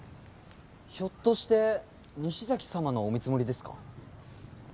ひょっとして西崎様のお見積もりですか？